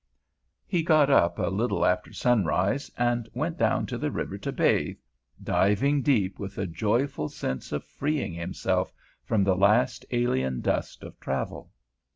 He got up a little after sunrise, and went down to the river to bathe, diving deep with a joyful sense of freeing himself from the last alien dust of travel.